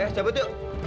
eh cabut yuk